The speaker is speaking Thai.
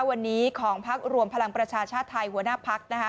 วันนี้ของพักรวมพลังประชาชาติไทยหัวหน้าพักนะคะ